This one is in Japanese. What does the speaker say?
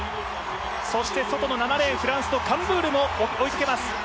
そして外の７レーン、フランスのカンブールも追いかけます。